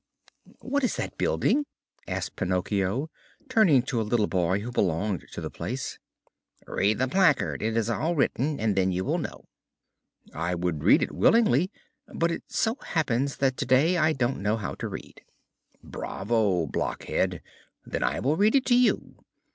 "What is that building?" asked Pinocchio, turning to a little boy who belonged to the place. "Read the placard it is all written and then you will know." "I would read it willingly, but it so happens that today I don't know how to read." "Bravo, blockhead! Then I will read it to you.